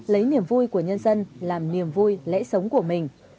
lấy niềm vui của nhân dân làm niềm vui lẽ sống của mình